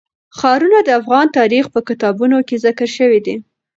ښارونه د افغان تاریخ په کتابونو کې ذکر شوی دي.